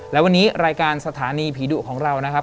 และวันนี้รายการสถานีผีดุของเรานะครับ